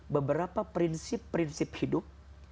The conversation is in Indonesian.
beberapa prinsip prinsip hidup